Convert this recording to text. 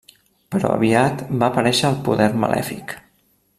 Però aviat va aparèixer el poder malèfic.